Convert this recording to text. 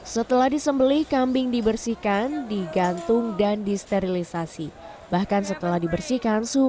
setelah disembeli kambing dibersihkan digantung dan disterilisasi bahkan setelah dibersihkan suhu